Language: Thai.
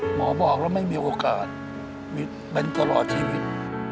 หมอบอกแล้วไม่มีโอกาสเป็นตลอดชีวิต